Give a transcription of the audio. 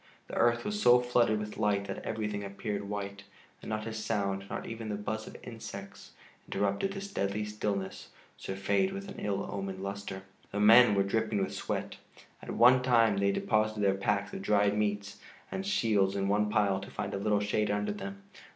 The earth was so flooded with light that everything appeared white, and not a sound, not even the buzz of insects, interrupted this deadly stillness surfeited with an ill omened luster. The men were dripping with sweat. At times they deposited their packs of dried meats and shields in one pile to find a little shade under them.